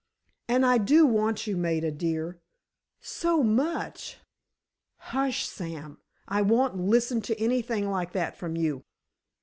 And I do want you, Maida dear—so much——" "Hush, Sam; I won't listen to anything like that from you."